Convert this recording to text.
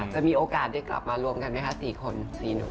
จะมีโอกาสได้กลับมารวมกันไหมคะ๔คน๔หนุ่ม